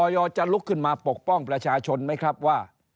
จะลุกขึ้นมาปกป้องประชาชนไหมครับว่า